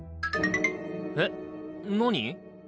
えっ何？